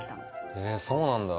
へえそうなんだ。